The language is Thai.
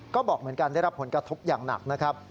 ก็บอกเหมือนกันได้รับผลกระทบอย่างหนักนะครับ